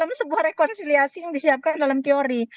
dalam sebuah rekonsiliasi yang disiapkan dalam teori